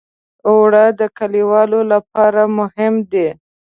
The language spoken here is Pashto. اوړه د کليوالو لپاره مهم دي